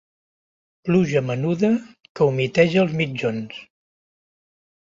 Pluja menuda que humiteja els mitjons.